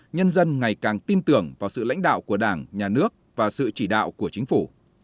nhân dân ngày càng tin tưởng vào sự lãnh đạo của đảng nhà nước và sự chỉ đạo của chính phủ